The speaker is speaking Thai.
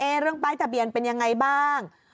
เรื่องป้ายทะเบียนเป็นยังไงบ้าง